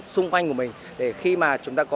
xung quanh của mình để khi mà